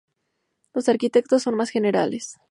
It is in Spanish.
Los arquitectos son más generales.